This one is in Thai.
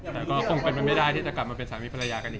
แต่ก็คงเป็นไปไม่ได้ที่จะกลับมาเป็นสามีภรรยากันอีก